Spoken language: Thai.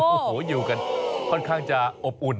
โอ้โหอยู่กันค่อนข้างจะอบอุ่น